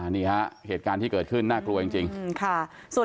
นี่ฮะเหตุการณ์ที่เกิดขึ้นน่ากลัวจริงค่ะ